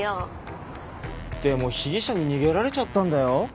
でも被疑者に逃げられちゃったんだよ。